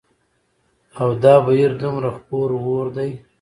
او دا بهير دومره خپور وور دى